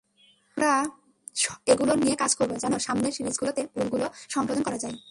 আমরা এগুলো নিয়ে কাজ করব, যেন সামনের সিরিজগুলোতে ভুলগুলো সংশোধন করা যায়।